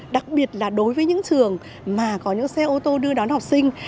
đặc biệt là đối với những trường mà có những xe ô tô đưa đón học sinh